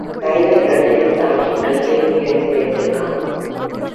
கைகள் இரண்டையும் தலைக்கு மேலே உயர்த்தி வைத்திருக்கவும்.